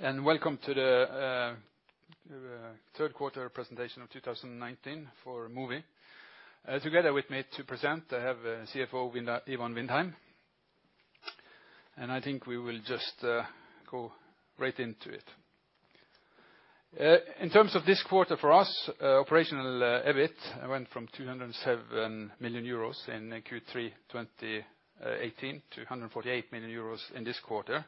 Welcome to the third quarter presentation of 2019 for Mowi. Together with me to present, I have CFO Ivan Vindheim, and I think we will just go right into it. In terms of this quarter for us, operational EBIT went from 207 million euros in Q3 2018 to 148 million euros in this quarter.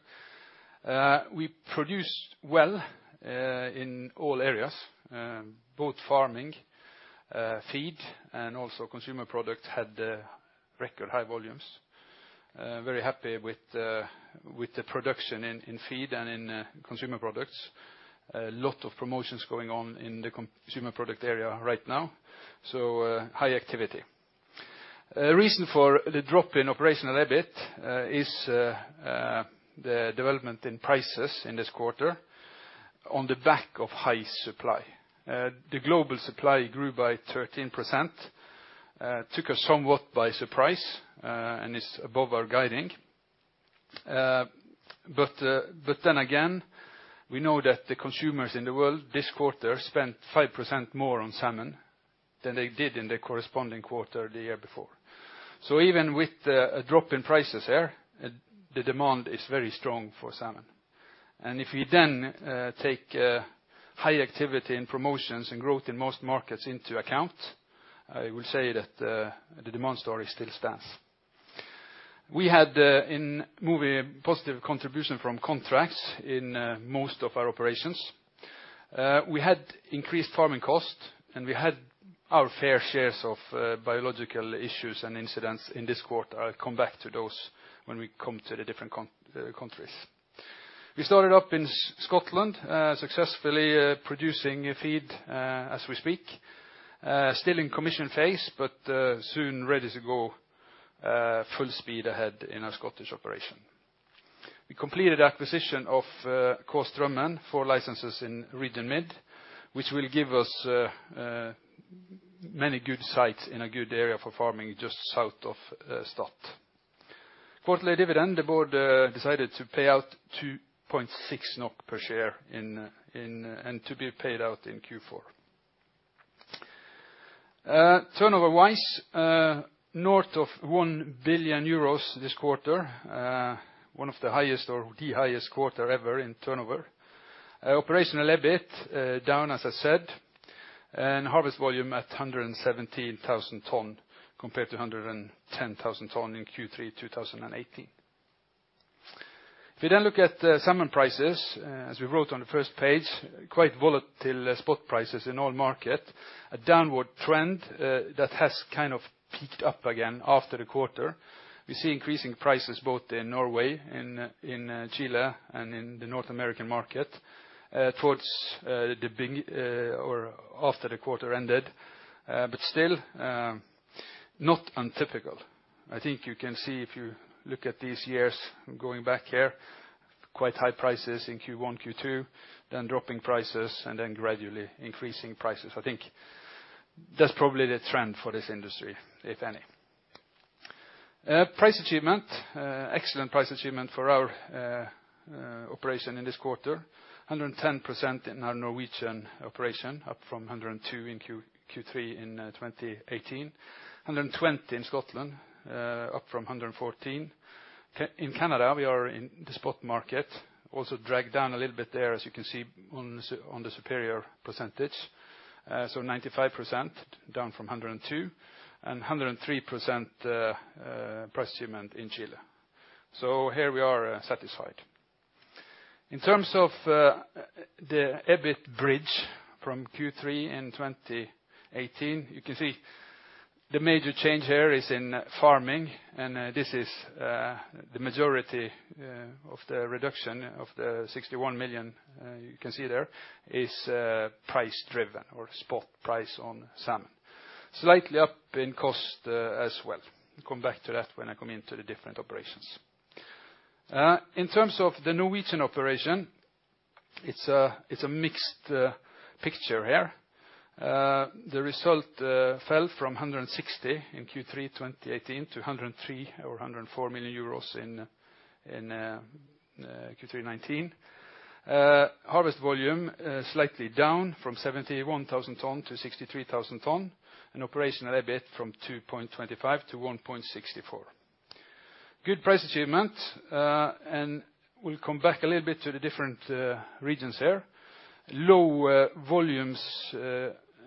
We produced well in all areas, both farming, feed, and also consumer product had record high volumes. Very happy with the production in feed and in consumer products. A lot of promotions going on in the consumer product area right now, high activity. Reason for the drop in operational EBIT is the development in prices in this quarter on the back of high supply. The global supply grew by 13%, took us somewhat by surprise, is above our guiding. Then again, we know that the consumers in the world this quarter spent 5% more on salmon than they did in the corresponding quarter the year before. Even with a drop in prices here, the demand is very strong for salmon. If we then take high activity in promotions and growth in most markets into account, I will say that the demand story still stands. We had, in Mowi, a positive contribution from contracts in most of our operations. We had increased farming costs, and we had our fair shares of biological issues and incidents in this quarter. I'll come back to those when we come to the different countries. We started up in Scotland, successfully producing feed as we speak. Still in commission phase, but soon ready to go full speed ahead in our Scottish operation. We completed acquisition of K. Strømmen Lakseoppdrett AS for licenses in Region Mid, which will give us many good sites in a good area for farming just south of Stad. Quarterly dividend, the board decided to pay out 2.6 NOK per share and to be paid out in Q4. Turnover-wise, north of 1 billion euros this quarter. One of the highest, or the highest quarter ever in turnover. Operational EBIT down, as I said, and harvest volume at 117,000 tons compared to 110,000 tons in Q3 2018. We then look at salmon prices, as we wrote on the first page, quite volatile spot prices in all markets. A downward trend that has kind of peaked up again after the quarter. We see increasing prices both in Norway, in Chile, and in the North American market towards or after the quarter ended, still, not untypical. I think you can see if you look at these years going back here, quite high prices in Q1, Q2, then dropping prices, and then gradually increasing prices. I think that's probably the trend for this industry, if any. Price achievement. Excellent price achievement for our operation in this quarter, 110% in our Norwegian operation, up from 102% in Q3 in 2018. 120% in Scotland, up from 114%. In Canada, we are in the spot market, also dragged down a little bit there, as you can see on the superior percentage. 95% down from 102%, and 103% price achievement in Chile. Here we are satisfied. In terms of the EBIT bridge from Q3 in 2018, you can see the major change here is in farming, and this is the majority of the reduction of the 61 million you can see there is price-driven or spot price on salmon. Slightly up in cost as well. We'll come back to that when I come into the different operations. In terms of the Norwegian operation, it's a mixed picture here. The result fell from 160 million euros in Q3 2018 to 103 million or 104 million euros in Q3 2019. Harvest volume slightly down from 71,000 tons to 63,000 tons, operational EBIT from 2.25 to 1.64. Good price achievement, we'll come back a little bit to the different regions here. Low volumes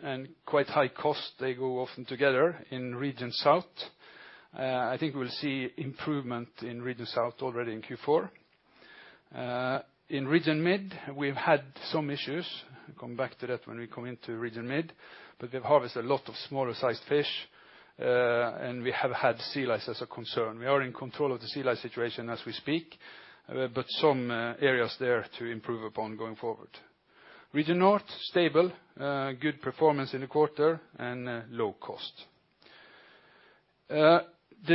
and quite high cost, they go often together in Region South. I think we'll see improvement in Region South already in Q4. In Region Mid, we've had some issues. I'll come back to that when we come into Region Mid, we have harvested a lot of smaller-sized fish, we have had sea lice as a concern. We are in control of the sea lice situation as we speak, some areas there to improve upon going forward. Region North, stable. Good performance in the quarter and low cost. The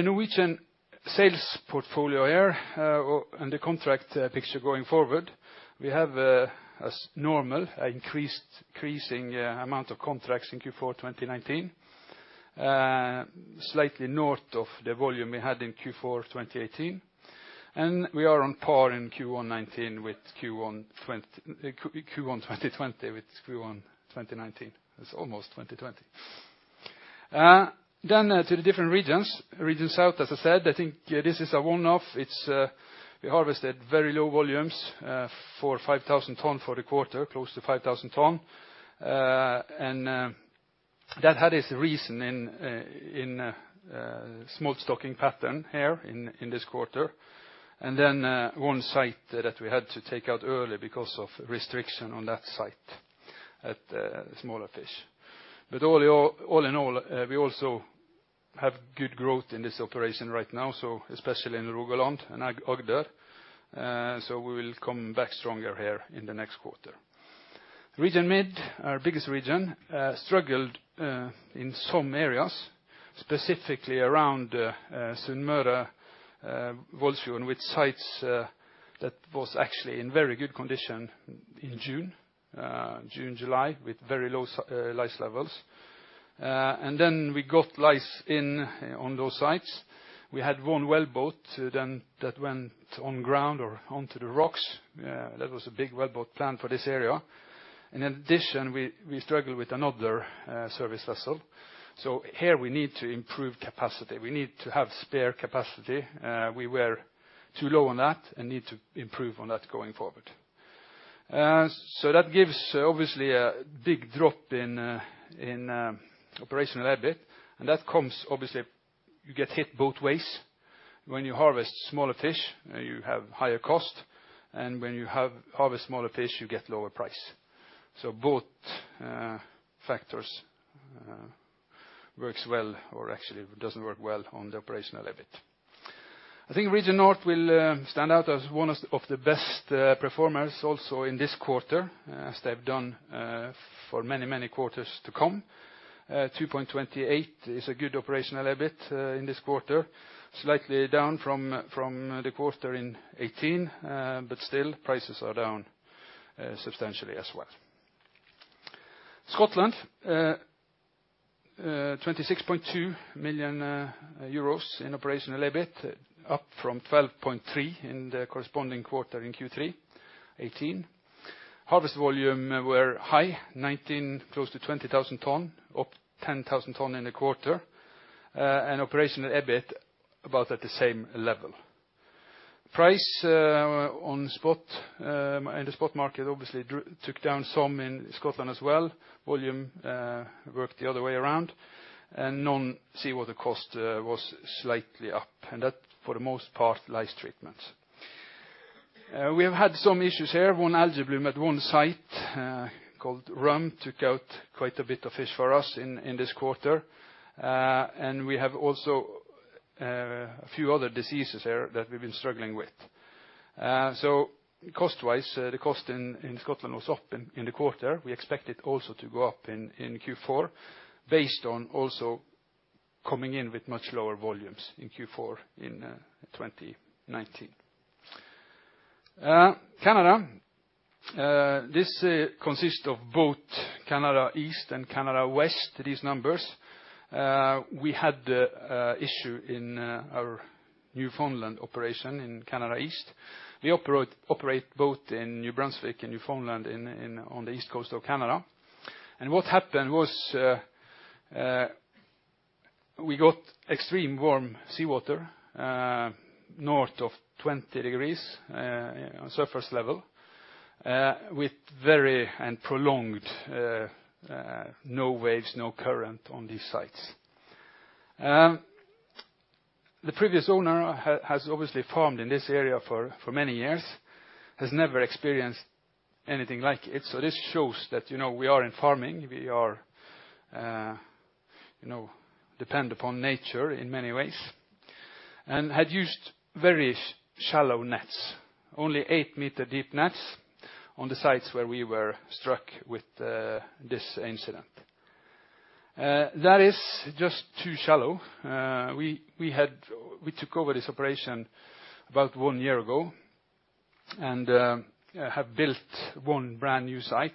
Norwegian sales portfolio here and the contract picture going forward, we have, as normal, an increasing amount of contracts in Q4 2019 slightly north of the volume we had in Q4 2018, and we are on par in Q1 2019 with Q1 2020 with Q1 2019. It's almost 2020. To the different regions. Region South, as I said, I think this is a one-off. We harvested very low volumes, 5,000 tons for the quarter, close to 5,000 tons. That had its reason in a small stocking pattern here in this quarter. One site that we had to take out early because of restriction on that site at smaller fish. All in all, we also have good growth in this operation right now, especially in Rogaland and Agder, so we will come back stronger here in the next quarter. Region Mid, our biggest region, struggled in some areas, specifically around Sunnmøre, Voldsfjorden with sites that was actually in very good condition in June. June, July, with very low lice levels. Then we got lice on those sites. We had one wellboat that went on ground or onto the rocks. That was a big wellboat plan for this area. In addition, we struggled with another service vessel. Here we need to improve capacity. We need to have spare capacity. We were too low on that and need to improve on that going forward. That gives obviously a big drop in operational EBIT and that comes, obviously, you get hit both ways. When you harvest smaller fish, you have higher cost, and when you harvest smaller fish, you get lower price. Both factors works well or actually doesn't work well on the operational EBIT. I think Region North will stand out as one of the best performers also in this quarter, as they've done for many quarters to come. 2.28 is a good operational EBIT in this quarter, slightly down from the quarter in 2018, but still prices are down substantially as well. Scotland, 26.2 million euros in operational EBIT, up from 12.3 million in the corresponding quarter in Q3 2018. Harvest volume were high, 19,000 tons, close to 20,000 tons, up 10,000 tons in the quarter, and operational EBIT about at the same level. Price in the spot market obviously took down some in Scotland as well. Volume worked the other way around. Non-seawater cost was slightly up, and that, for the most part, lice treatment. We have had some issues here. One algae bloom at one site called Rum took out quite a bit of fish for us in this quarter. We have also a few other diseases here that we've been struggling with. Cost-wise, the cost in Scotland was up in the quarter. We expect it also to go up in Q4 based on also coming in with much lower volumes in Q4 in 2019. Canada. This consists of both Canada East and Canada West, these numbers. We had a issue in our Newfoundland operation in Canada East. We operate both in New Brunswick and Newfoundland on the east coast of Canada. What happened was, we got extreme warm seawater, north of 20 degrees on surface level, with very prolonged no waves, no current on these sites. The previous owner has obviously farmed in this area for many years, has never experienced anything like it, so this shows that we are in farming. We depend upon nature in many ways and had used very shallow nets, only 8-meter deep nets, on the sites where we were struck with this incident. That is just too shallow. We took over this operation about one year ago and have built one brand-new site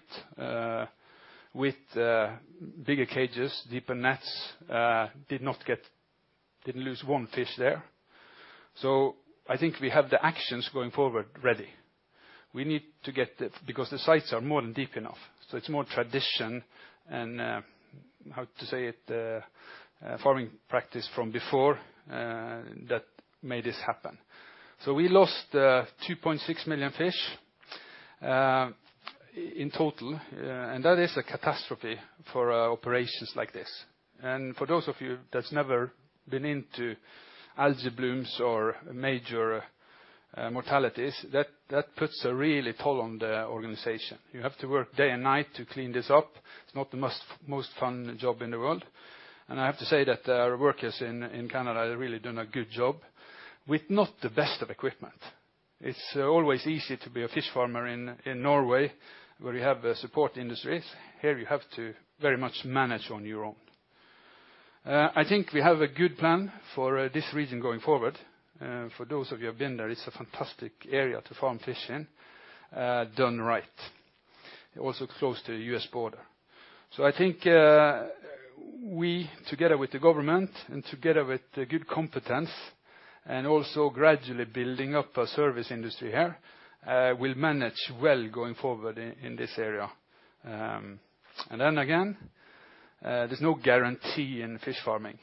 with bigger cages, deeper nets. Didn't lose one fish there. I think we have the actions going forward ready. Because the sites are more than deep enough, so it's more tradition and, how to say it, farming practice from before that made this happen. We lost 2.6 million fish in total, and that is a catastrophe for operations like this. For those of you that's never been into algae blooms or major mortalities, that puts a really toll on the organization. You have to work day and night to clean this up. It's not the most fun job in the world. I have to say that our workers in Canada have really done a good job with not the best of equipment. It's always easy to be a fish farmer in Norway where you have support industries. Here you have to very much manage on your own. I think we have a good plan for this region going forward. For those of you who have been there, it's a fantastic area to farm fish in done right. Also close to the U.S. border. I think we, together with the government, and together with good competence, and also gradually building up a service industry here, will manage well going forward in this area. Then again, there's no guarantee in fish farming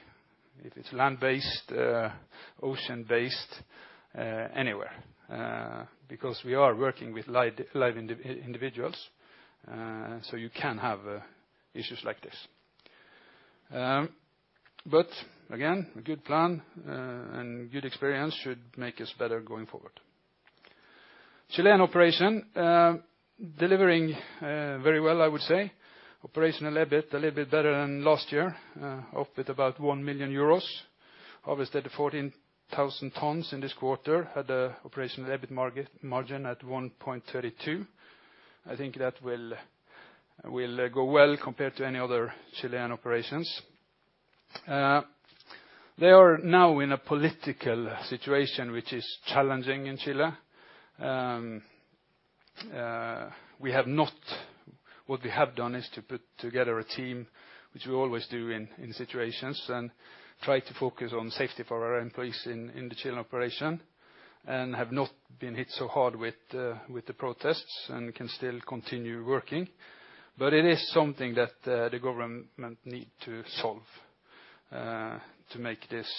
if it's land-based, ocean-based, anywhere, because we are working with live individuals, so you can have issues like this. Again, a good plan and good experience should make us better going forward. Chilean operation, delivering very well, I would say. Operational EBIT a little bit better than last year, up with about 1 million euros. Obviously, the 14,000 tons in this quarter had an operational EBIT margin at 1.32. I think that will go well compared to any other Chilean operations. They are now in a political situation which is challenging in Chile. What we have done is to put together a team, which we always do in these situations, and try to focus on safety for our employees in the Chilean operation, and have not been hit so hard with the protests and can still continue working. It is something that the government needs to solve to make this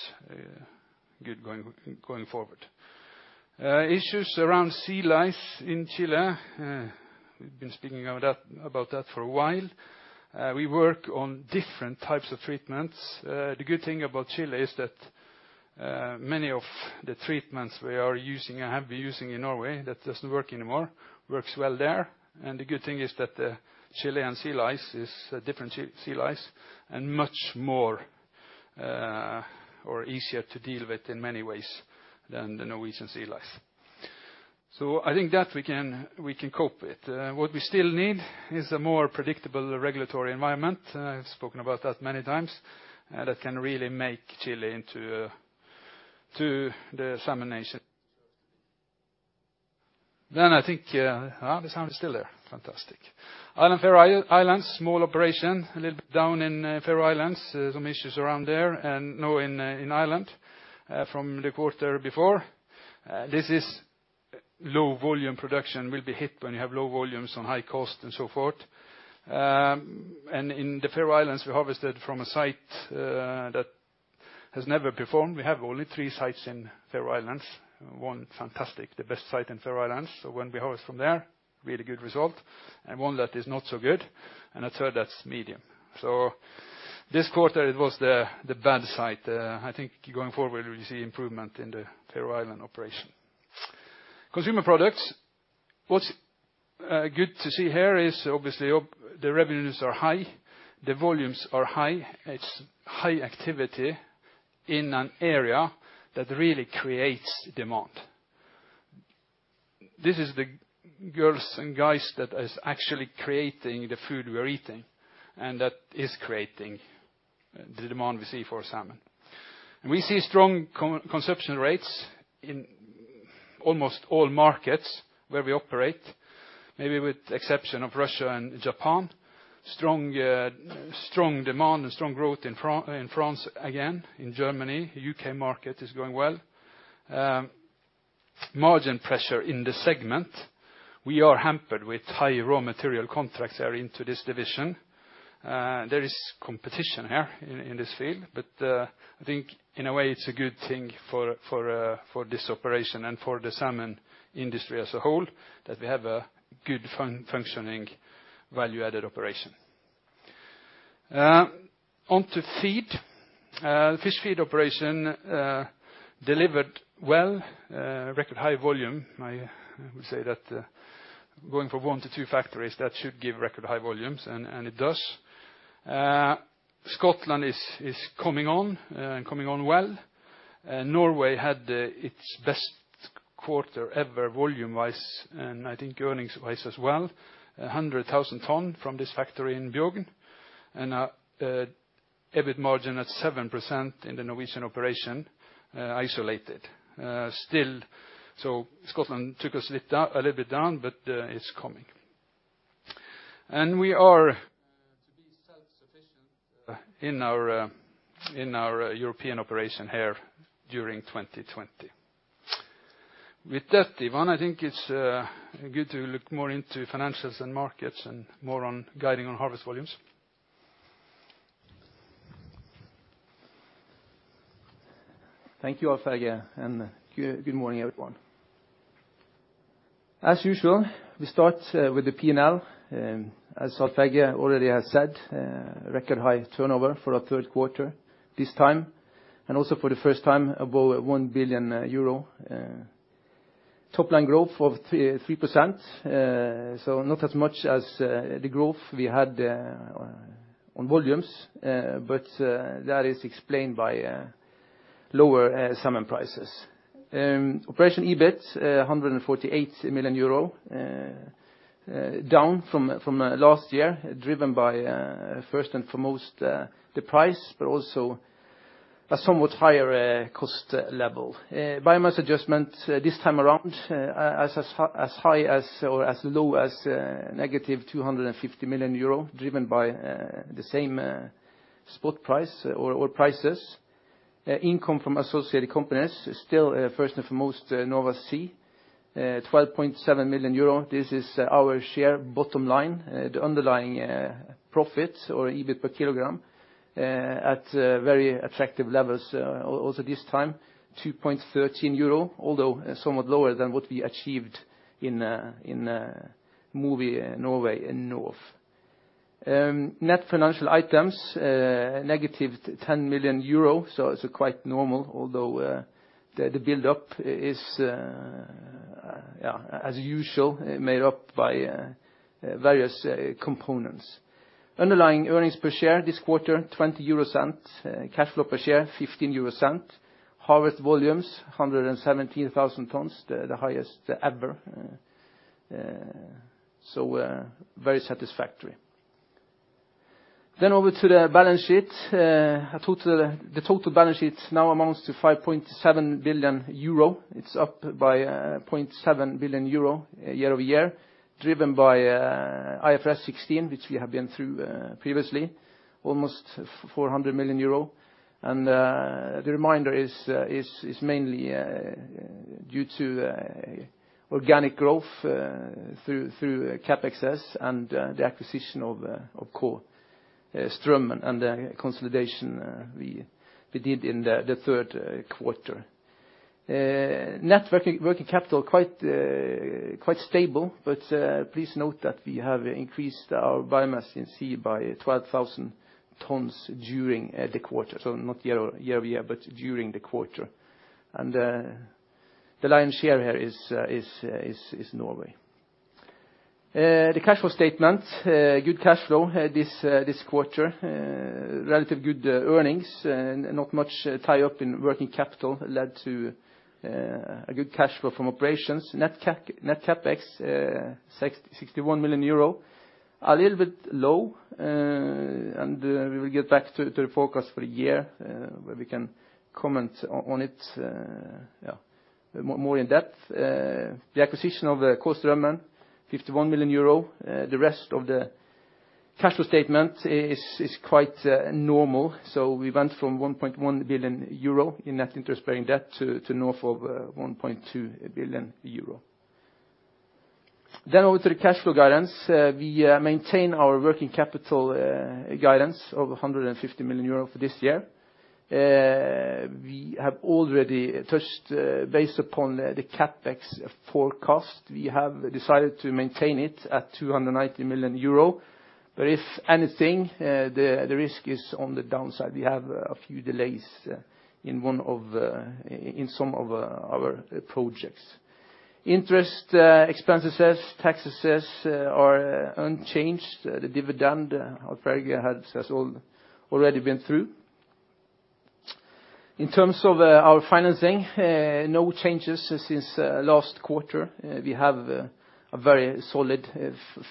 good going forward. Issues around sea lice in Chile, we've been speaking about that for a while. We work on different types of treatments. The good thing about Chile is that many of the treatments we are using and have been using in Norway that doesn't work anymore, works well there. The good thing is that the Chilean sea lice is a different sea lice, and much more or easier to deal with in many ways than the Norwegian sea lice. I think that we can cope with. What we still need is a more predictable regulatory environment, I've spoken about that many times, that can really make Chile into the salmon nation. I think The sound is still there. Fantastic. Faroe Islands, small operation, a little bit down in Faroe Islands. There's some issues around there and now in Ireland from the quarter before. This is low volume production will be hit when you have low volumes on high cost and so forth. In the Faroe Islands, we harvested from a site that has never performed. We have only three sites in Faroe Islands. One fantastic, the best site in Faroe Islands. When we harvest from there, we had a good result, and one that is not so good, and a third that's medium. This quarter it was the bad site. I think going forward, we see improvement in the Faroe Island operation. Consumer products. What's good to see here is obviously the revenues are high, the volumes are high. It's high activity in an area that really creates demand. This is the girls and guys that is actually creating the food we're eating, and that is creating the demand we see for salmon. We see strong consumption rates in almost all markets where we operate, maybe with exception of Russia and Japan. Strong demand and strong growth in France again, in Germany. U.K. market is going well. Margin pressure in the segment. We are hampered with high raw material contracts that are into this division. There is competition here in this field. I think in a way it's a good thing for this operation and for the salmon industry as a whole that we have a good functioning value-added operation. On to feed. Fish feed operation delivered well, record high volume. I would say that going from one to two factories, that should give record high volumes, and it does. Scotland is coming on, and coming on well. Norway had its best quarter ever volume-wise, and I think earnings-wise as well. 100,000 ton from this factory in Bjugn. EBIT margin at 7% in the Norwegian operation isolated. Still, Scotland took a slip a little bit down, but it's coming. We are, to be self-sufficient in our European operation here during 2020. With that, Ivan, I think it's good to look more into financials and markets and more on guiding on harvest volumes. Thank you, Alf-Helge, and good morning, everyone. As usual, we start with the P&L. As Alf-Helge already has said, record high turnover for our third quarter this time, and also for the first time above 1 billion euro. Top line growth of 3%, so not as much as the growth we had on volumes, but that is explained by lower salmon prices. Operational EBIT, 148 million euro, down from last year, driven by first and foremost the price, but also a somewhat higher cost level. Biomass adjustment this time around, as high or as low as negative 250 million euro, driven by the same spot price or prices. Income from associated companies is still first and foremost Nova Sea, 12.7 million euro. This is our share bottom line, the underlying profit or EBIT per kilogram at very attractive levels. This time, 2.13 euro, although somewhat lower than what we achieved in Mowi Norway in North. Net financial items, negative 10 million euro, it's quite normal, although the build-up is, as usual, made up by various components. Underlying earnings per share this quarter, 0.20. Cash flow per share, 0.15. Harvest volumes, 117,000 tons, the highest ever. Very satisfactory. Over to the balance sheet. The total balance sheet now amounts to 5.7 billion euro. It's up by 0.7 billion euro year-over-year, driven by IFRS 16, which we have been through previously, almost EUR 400 million. The remainder is mainly due to organic growth through CapExs and the acquisition of K. Strømmen and the consolidation we did in the third quarter. Net working capital, quite stable, please note that we have increased our biomass in sea by 12,000 tons during the quarter. Not year-over-year, but during the quarter. The lion's share here is Norway. The cash flow statement. Good cash flow this quarter. Relatively good earnings, not much tie-up in working capital led to a good cash flow from operations. Net CapEx, 61 million euro. A little bit low, and we will get back to the forecast for the year, where we can comment on it more in depth. The acquisition of K. Strømmen, 51 million euro. The rest of the cash flow statement is quite normal. We went from 1.1 billion euro in net interest-bearing debt to north of 1.2 billion euro. Over to the cash flow guidance. We maintain our working capital guidance of 150 million euro for this year. We have already touched base upon the CapEx forecast. We have decided to maintain it at 290 million euro. If anything, the risk is on the downside. We have a few delays in some of our projects. Interest expenses, taxes are unchanged. The dividend, Alf-Helge has already been through. In terms of our financing, no changes since last quarter. We have a very solid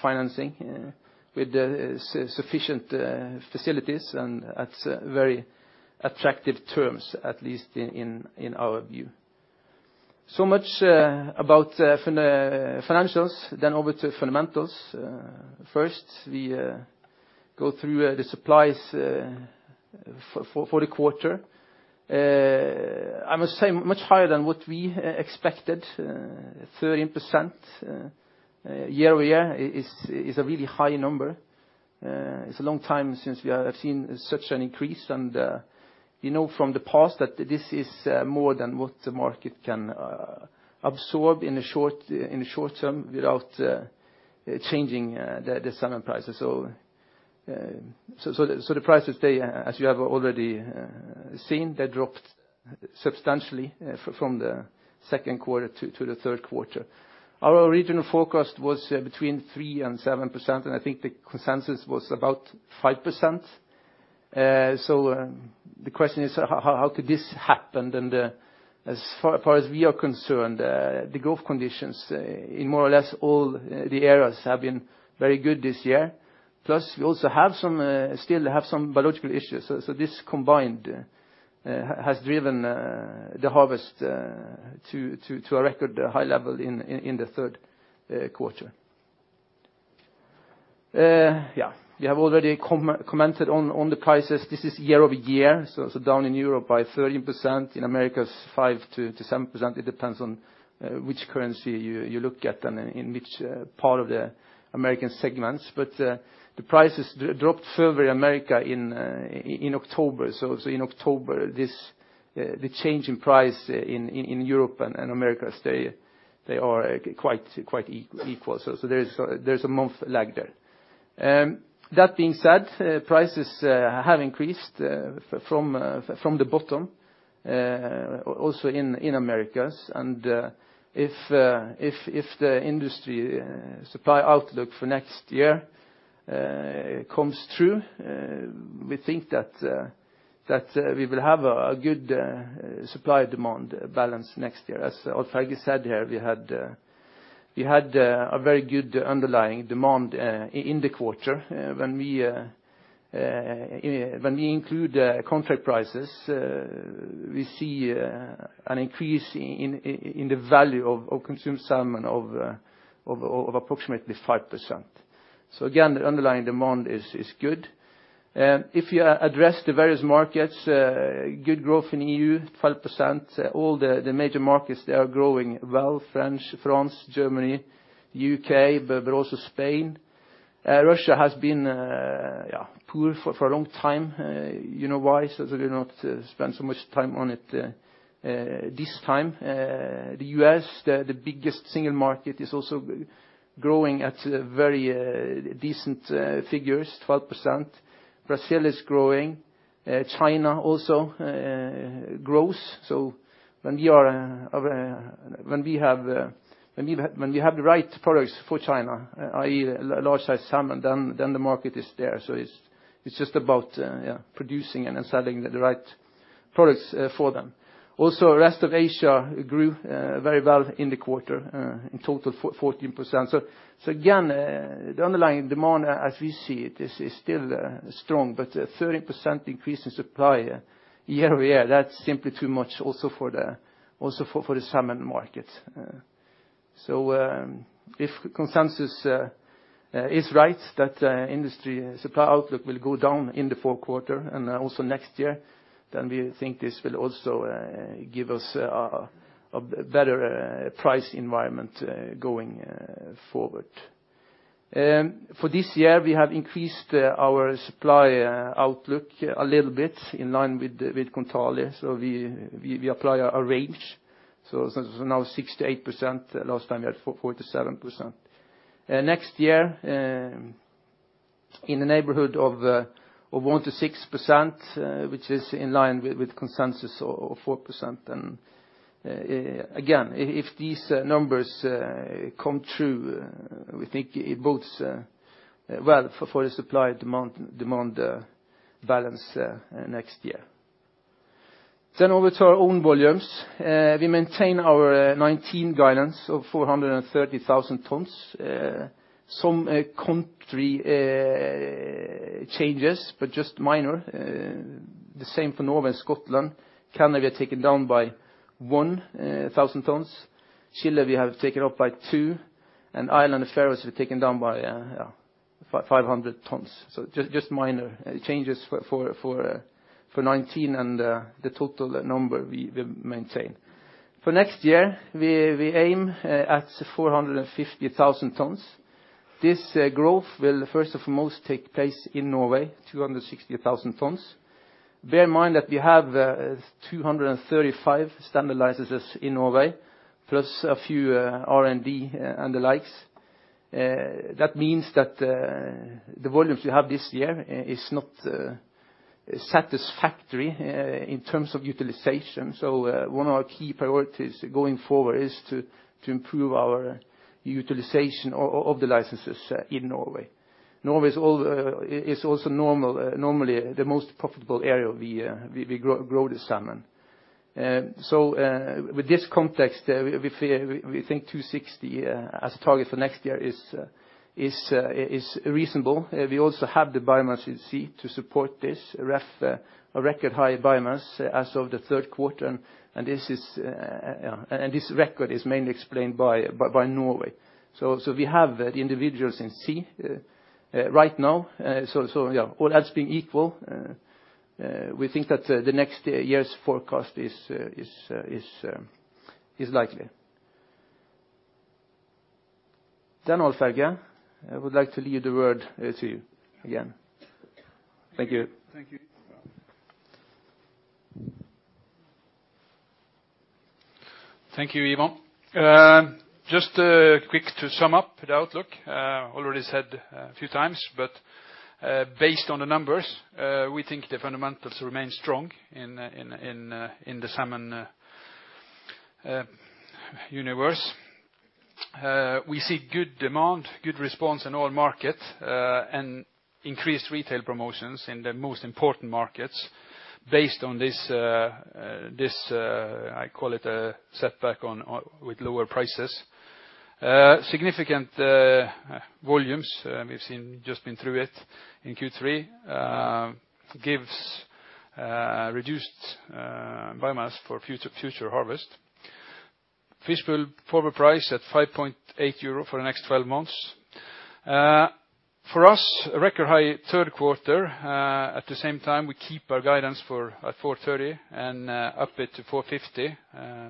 financing with sufficient facilities and at very attractive terms, at least in our view. Much about financials, over to fundamentals. First, we go through the supplies for the quarter. I must say, much higher than what we expected, 13% year-over-year is a really high number. It's a long time since we have seen such an increase, and we know from the past that this is more than what the market can absorb in the short term without changing the salmon prices. The prices today, as you have already seen, they dropped substantially from the second quarter to the third quarter. Our original forecast was between 3% and 7%. I think the consensus was about 5%. The question is, how could this happen? As far as we are concerned, the growth conditions in more or less all the areas have been very good this year. Plus, we also still have some biological issues. This combined has driven the harvest to a record high level in the third quarter. Yeah. We have already commented on the prices. This is year-over-year, down in Europe by 13%, in Americas, 5%-7%. It depends on which currency you look at and in which part of the American segments. The prices dropped further in America in October. In October, the change in price in Europe and Americas, they are quite equal. There's a month lag there. That being said, prices have increased from the bottom, also in Americas. If the industry supply outlook for next year comes true, we think that we will have a good supply-demand balance next year. As Alf-Helge said here, We had a very good underlying demand in the quarter. When we include contract prices, we see an increase in the value of consumed salmon of approximately 5%. Again, the underlying demand is good. If you address the various markets, good growth in EU, 12%, all the major markets, they are growing well, France, Germany, U.K., but also Spain. Russia has been poor for a long time. You know why, I will not spend so much time on it this time. The U.S., the biggest single market, is also growing at very decent figures, 12%. Brazil is growing, China also grows. When we have the right products for China, i.e., large-size salmon, then the market is there. It's just about producing and selling the right products for them. Also, the rest of Asia grew very well in the quarter, in total, 14%. Again, the underlying demand as we see it is still strong, but a 13% increase in supply year-over-year, that's simply too much also for the salmon market. If consensus is right, that industry supply outlook will go down in the fourth quarter and also next year, then we think this will also give us a better price environment going forward. For this year, we have increased our supply outlook a little bit in line with Kontali. We apply a range. Now 6%-8%, last time we had 4%-7%. Next year, in the neighborhood of 1%-6%, which is in line with consensus of 4%. Again, if these numbers come true, we think it bodes well for the supply-demand balance next year. Over to our own volumes. We maintain our '19 guidance of 430,000 tons. Some country changes, but just minor. The same for Norway and Scotland. Canada, we are taken down by 1,000 tons. Chile, we have taken up by 2, and Ireland and Faroes we've taken down by 500 tons. Just minor changes for '19 and the total number we maintain. For next year, we aim at 450,000 tons. This growth will first of most take place in Norway, 260,000 tons. Bear in mind that we have 235 standard licenses in Norway, plus a few R&D and the likes. That means that the volumes we have this year is not satisfactory in terms of utilization. One of our key priorities going forward is to improve our utilization of the licenses in Norway. Norway is also normally the most profitable area we grow the salmon. With this context, we think 260 as a target for next year is reasonable. We also have the biomass at sea to support this, a record high biomass as of the third quarter, and this record is mainly explained by Norway. We have the individuals in sea right now. All else being equal, we think that the next year's forecast is likely. Alf-Helge, I would like to leave the word to you again. Thank you. Thank you. Thank you, Ivan. Just quick to sum up the outlook. Already said a few times, based on the numbers, we think the fundamentals remain strong in the salmon universe. We see good demand, good response in all markets, increased retail promotions in the most important markets based on this, I call it a setback with lower prices. Significant volumes, we've just been through it in Q3, gives reduced biomass for future harvest. Fish meal forward price at 5.8 euro for the next 12 months. For us, a record high third quarter. At the same time, we keep our guidance at 430 and up it to 450,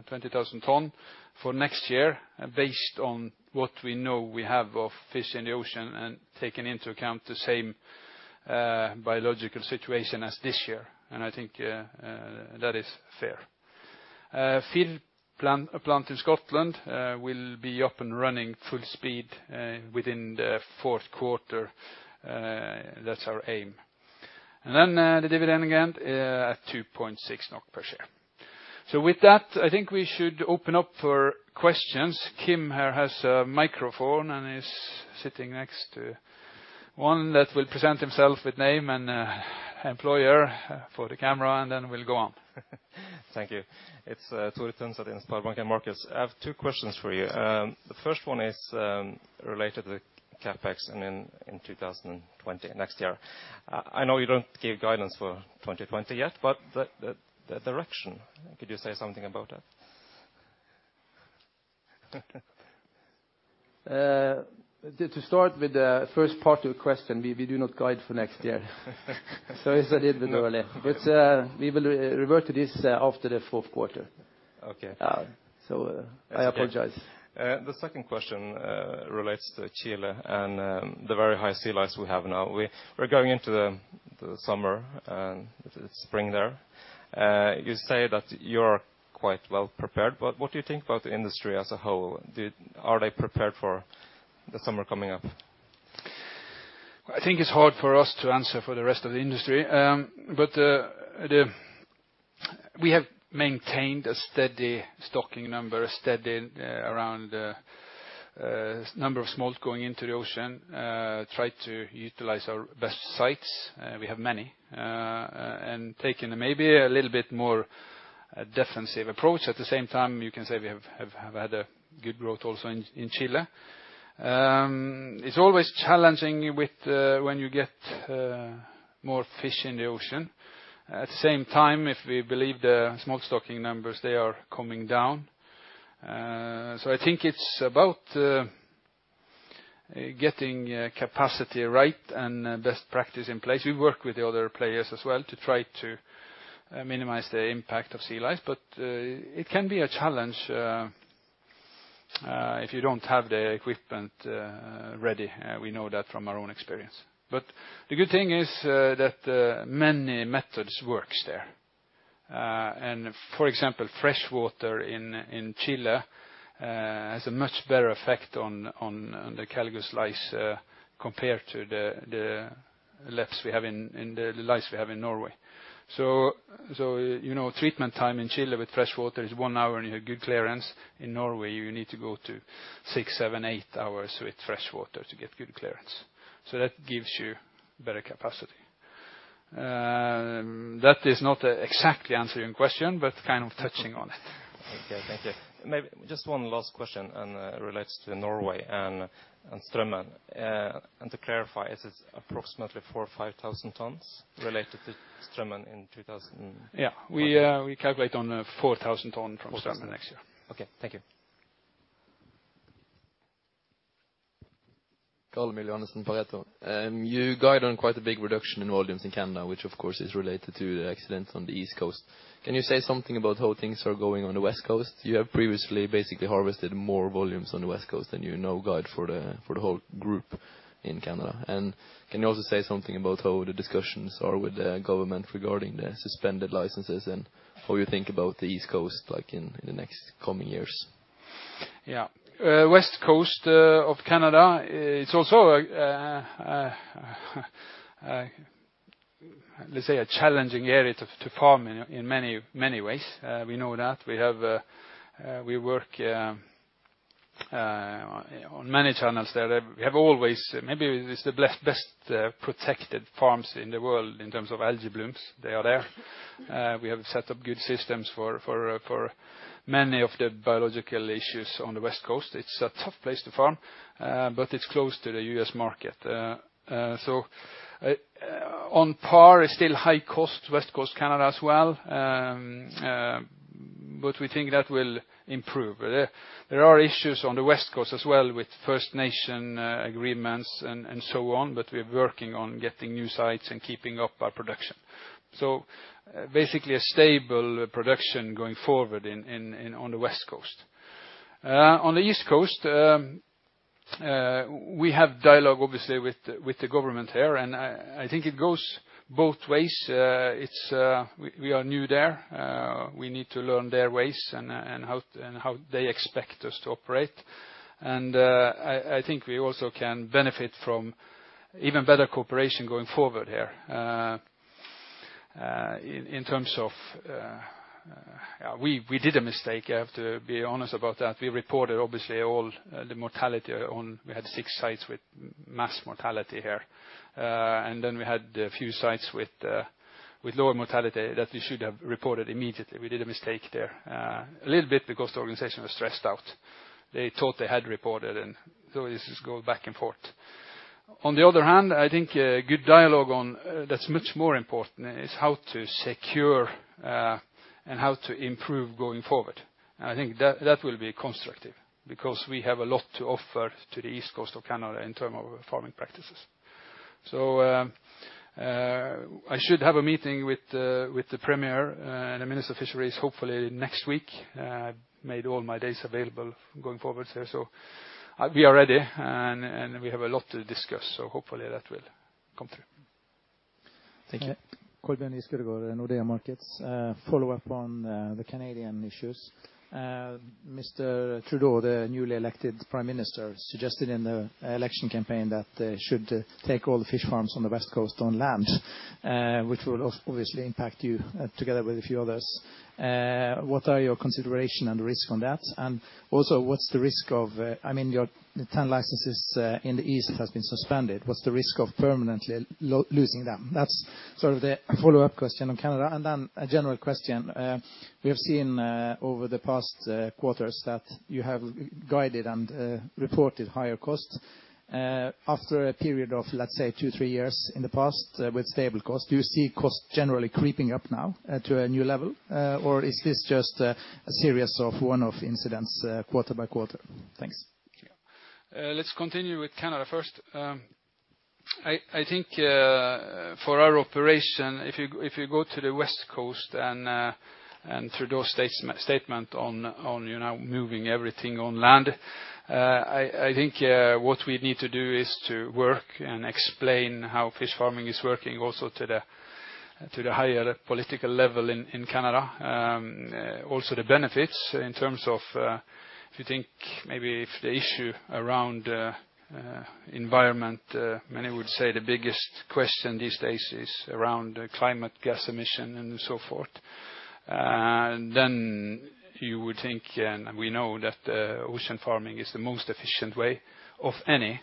20,000 ton, for next year based on what we know we have of fish in the ocean and taking into account the same biological situation as this year. I think that is fair. Fish plant in Scotland will be up and running full speed within the fourth quarter. That's our aim. The dividend again at 2.6 NOK per share. With that, I think we should open up for questions. Kim here has a microphone and is sitting next to one that will present himself with name and employer for the camera, and then we'll go on. Thank you. It's Tore Tønseth in SpareBank 1 Markets. I have two questions for you. The first one is related to the CapEx in 2020, next year. I know you don't give guidance for 2020 yet, but the direction, could you say something about that? To start with the first part of your question, we do not guide for next year. It's a little bit early, but we will revert to this after the fourth quarter. Okay. I apologize. The second question relates to Chile and the very high sea lice we have now. We're going into the summer and spring there. You say that you're quite well prepared, but what do you think about the industry as a whole? Are they prepared for the summer coming up? I think it's hard for us to answer for the rest of the industry. We have maintained a steady stocking number, a steady around number of smolt going into the ocean, tried to utilize our best sites, we have many, and taking maybe a little bit more defensive approach. At the same time, you can say we have had a good growth also in Chile. It's always challenging when you get more fish in the ocean. At the same time, if we believe the smolt stocking numbers, they are coming down. I think it's about getting capacity right and best practice in place. We work with the other players as well to try to minimize the impact of sea lice, but it can be a challenge if you don't have the equipment ready. We know that from our own experience. The good thing is that many methods works there. For example, fresh water in Chile has a much better effect on the Caligus lice compared to the Lepeophtheirus we have in Norway. Treatment time in Chile with fresh water is one hour and you have good clearance. In Norway, you need to go to six, seven, eight hours with fresh water to get good clearance. That gives you better capacity. That does not exactly answer your question, but kind of touching on it. Okay, thank you. Maybe just one last question, relates to Norway and Strømmen. To clarify, it is approximately 4,000 or 5,000 tons related to Strømmen in 2000. Yeah. We calculate on 4,000 ton from Strømmen next year. Okay. Thank you. Carl-Emil Kjølås Miller, Pareto Securities. You guide on quite a big reduction in volumes in Canada, which of course is related to the accident on the East Coast. Can you say something about how things are going on the West Coast? You have previously basically harvested more volumes on the West Coast than you now guide for the whole group in Canada. Can you also say something about how the discussions are with the Government regarding the suspended licenses and how you think about the East Coast in the next coming years? Yeah. West Coast of Canada, it's also, let's say, a challenging area to farm in many ways. We know that. We work on many channels there. Maybe it is the best protected farms in the world in terms of algae blooms. They are there. We have set up good systems for many of the biological issues on the West Coast. It's a tough place to farm. It's close to the U.S. market. On par, it's still high cost West Coast Canada as well. We think that will improve. There are issues on the West Coast as well with First Nation agreements and so on. We're working on getting new sites and keeping up our production. Basically a stable production going forward on the West Coast. On the East Coast, we have dialogue, obviously, with the government there, and I think it goes both ways. We are new there. We need to learn their ways and how they expect us to operate. I think we also can benefit from even better cooperation going forward here. We did a mistake, I have to be honest about that. We reported, obviously, all the mortality. We had six sites with mass mortality here. We had a few sites with lower mortality that we should have reported immediately. We did a mistake there, a little bit because the organization was stressed out. They thought they had reported and so this is going back and forth. On the other hand, I think a good dialogue that's much more important is how to secure and how to improve going forward. I think that will be constructive because we have a lot to offer to the East Coast of Canada in terms of farming practices. I should have a meeting with the Premier and the Minister of Fisheries hopefully next week. I made all my days available going forward there. We are ready and we have a lot to discuss. Hopefully that will come through. Thank you. Follow-up on the Canadian issues. Mr. Trudeau, the newly elected prime minister, suggested in the election campaign that they should take all the fish farms on the west coast on land, which will obviously impact you together with a few others. What are your consideration and the risk on that? Also, your 10 licenses in the east has been suspended. What's the risk of permanently losing them? That's sort of the follow-up question on Canada. Then a general question. We have seen, over the past quarters, that you have guided and reported higher costs. After a period of, let's say, two, three years in the past with stable costs, do you see costs generally creeping up now to a new level? Is this just a series of one-off incidents quarter by quarter? Thanks. Let's continue with Canada first. I think for our operation, if you go to the west coast and Trudeau statement on moving everything on land, I think what we need to do is to work and explain how fish farming is working also to the higher political level in Canada. Also the benefits in terms of, if you think maybe if the issue around environment, many would say the biggest question these days is around climate gas emission and so forth. You would think, and we know that ocean farming is the most efficient way of any,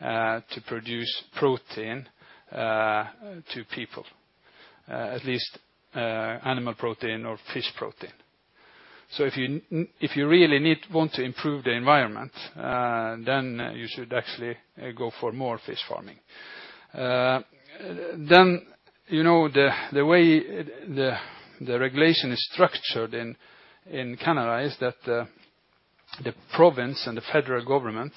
to produce protein to people, at least animal protein or fish protein. If you really want to improve the environment, you should actually go for more fish farming. The way the regulation is structured in Canada is that the province and the federal government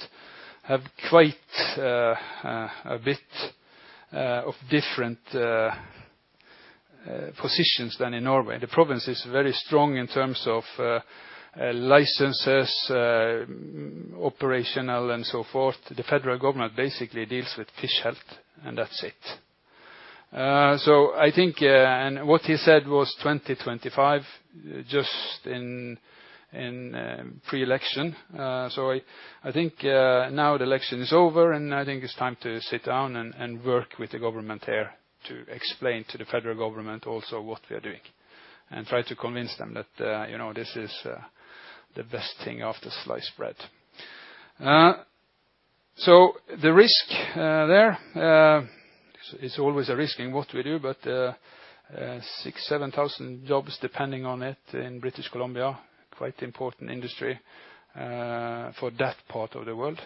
have quite a bit of different positions than in Norway. The province is very strong in terms of licenses, operational and so forth. The federal government basically deals with fish health, and that's it. I think, and what he said was 2025, just in pre-election. I think now the election is over, and I think it's time to sit down and work with the government there to explain to the federal government also what we are doing. Try to convince them that this is the best thing after sliced bread. The risk there, it's always a risk in what we do, but 6,000, 7,000 jobs depending on it in British Columbia, quite important industry for that part of the world.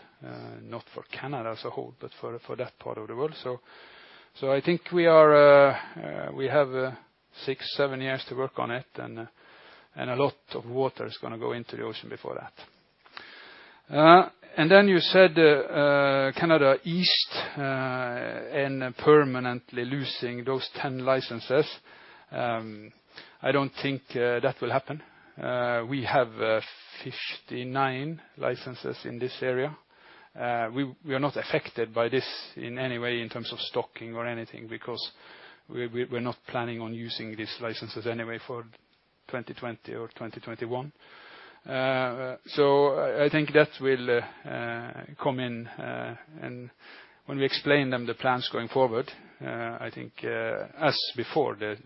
Not for Canada as a whole, but for that part of the world. I think we have six, seven years to work on it and a lot of water is going to go into the ocean before that. You said Canada east and permanently losing those 10 licenses. I don't think that will happen. We have 59 licenses in this area. We are not affected by this in any way in terms of stocking or anything because we're not planning on using these licenses anyway for 2020 or 2021. I think that will come in and when we explain them the plans going forward, I think as before, the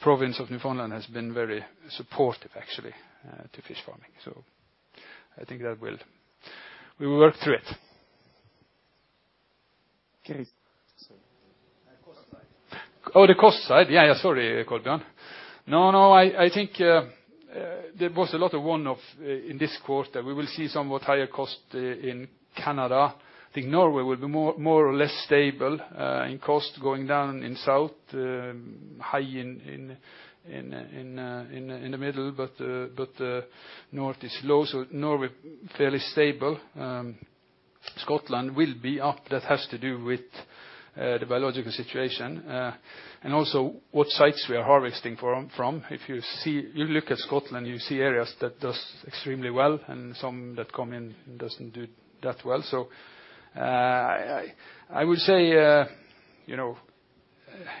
province of Newfoundland has been very supportive actually to fish farming. I think that we will work through it. Okay. Cost side. Yeah, sorry, Kolbjørn. I think there was a lot of one-off in this quarter. We will see somewhat higher cost in Canada. I think Norway will be more or less stable in cost going down in south, high in the middle, north is low. Norway fairly stable. Scotland will be up. That has to do with the biological situation. Also what sites we are harvesting from. If you look at Scotland, you see areas that does extremely well and some that come in doesn't do that well. I would say,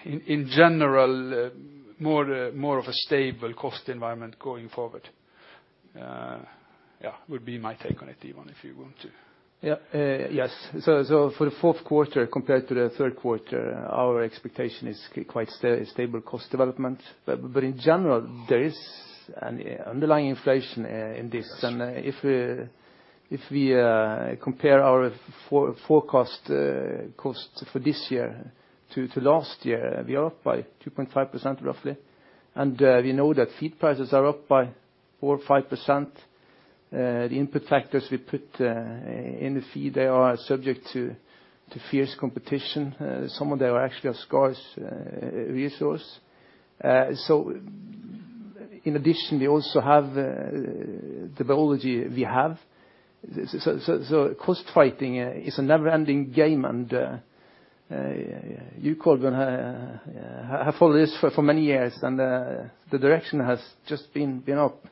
in general, more of a stable cost environment going forward. Yeah, would be my take on it. Ivan, if you want to. For the fourth quarter compared to the third quarter, our expectation is quite stable cost development. In general, there is an underlying inflation in this. Yes. If we compare our forecast cost for this year to last year, we are up by 2.5% roughly. We know that feed prices are up by 4 or 5%. The input factors we put in the feed are subject to fierce competition. Some of them are actually a scarce resource. In addition, we also have the biology we have. Cost fighting is a never-ending game and you, Kolbjørn, have followed this for many years and the direction has just been up.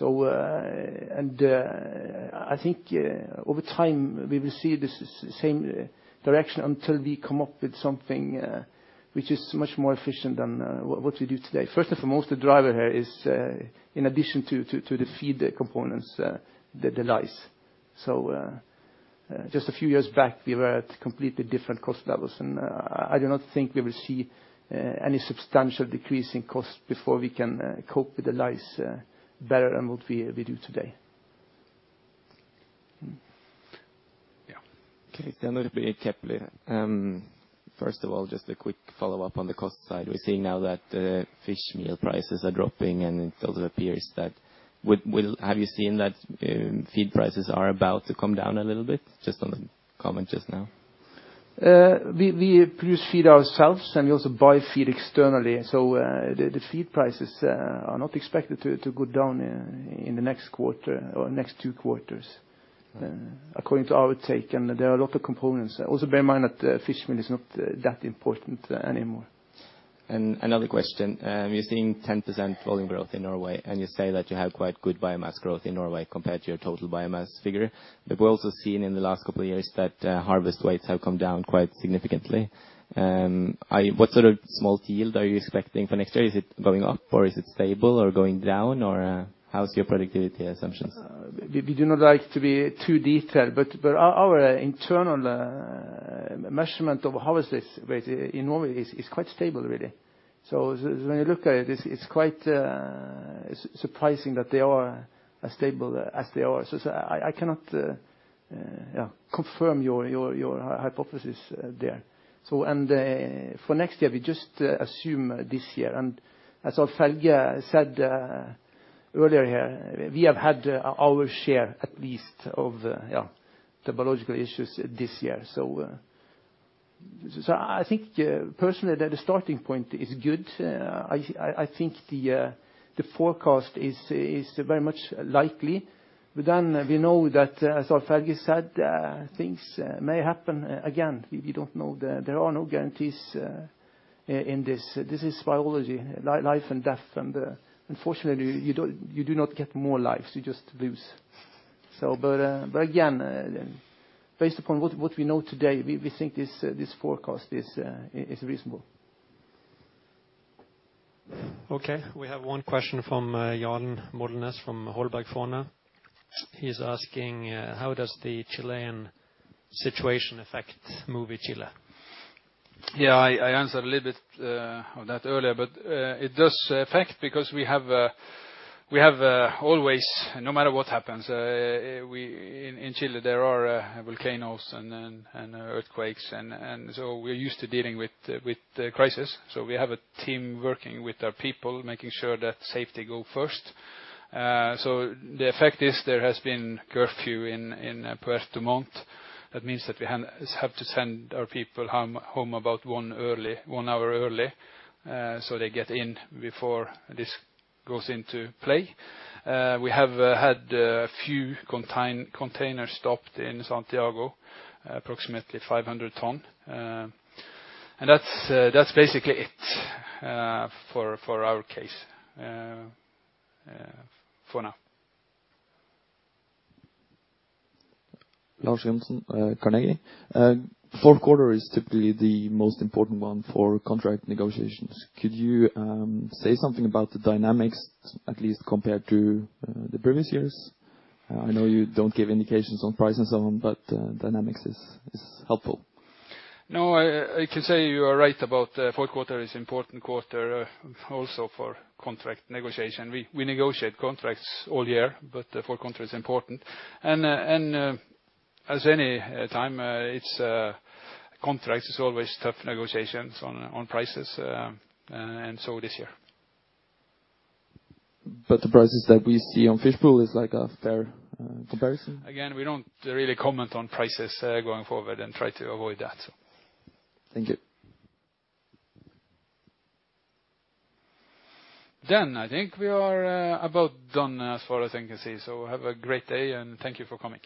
I think over time, we will see this same direction until we come up with something which is much more efficient than what we do today. First and foremost, the driver here is, in addition to the feed components, the lice. Just a few years back, we were at completely different cost levels, and I do not think we will see any substantial decrease in cost before we can cope with the lice better than what we do today. Yeah. Okay. Another query, Kepler. First of all, just a quick follow-up on the cost side. We're seeing now that fish meal prices are dropping. Have you seen that feed prices are about to come down a little bit? Just on the comment just now. We produce feed ourselves, and we also buy feed externally. The feed prices are not expected to go down in the next quarter or next two quarters according to our take, and there are a lot of components. Also, bear in mind that fish meal is not that important anymore. Another question. You're seeing 10% volume growth in Norway, and you say that you have quite good biomass growth in Norway compared to your total biomass figure. We're also seeing in the last couple of years that harvest weights have come down quite significantly. What sort of smolt yield are you expecting for next year? Is it going up or is it stable or going down or how's your productivity assumptions? We do not like to be too detailed. Our internal measurement of harvest rate in Norway is quite stable, really. When you look at it's quite surprising that they are as stable as they are. I cannot confirm your hypothesis there. For next year, we just assume this year. As Alf-Helge said earlier here, we have had our share at least of the biological issues this year. I think personally that the starting point is good. I think the forecast is very much likely. We know that, as Alf-Helge said, things may happen again. We don't know. There are no guarantees in this. This is biology, life and death. Unfortunately, you do not get more lives. You just lose. Based upon what we know today, we think this forecast is reasonable. Okay, we have one question from Jostein Mæhle from Holberg Fondene. He's asking, how does the Chilean situation affect Mowi Chile? Yeah, I answered a little bit of that earlier, but it does affect because we have always, no matter what happens, in Chile, there are volcanoes and earthquakes and so we're used to dealing with crisis. We have a team working with our people, making sure that safety go first. The effect is there has been curfew in Puerto Montt. That means that we have to send our people home about one hour early, so they get in before this goes into play. We have had a few containers stopped in Santiago, approximately 500 ton. That's basically it for our case for now. Lars Jonsson, Carnegie. Fourth quarter is typically the most important one for contract negotiations. Could you say something about the dynamics, at least compared to the previous years? I know you don't give indications on price and so on, but dynamics is helpful. I can say you are right about fourth quarter is important quarter also for contract negotiation. We negotiate contracts all year, but the fourth quarter is important. As any time, contracts is always tough negotiations on prices, and so this year. The prices that we see on Fish Pool is like a fair comparison? Again, we don't really comment on prices going forward and try to avoid that. Thank you. I think we are about done as far as I can see. Have a great day and thank you for coming.